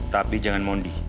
tapi jangan mondi